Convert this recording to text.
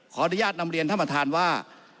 ขออนุญาตนำเรียนท่านประธานว่า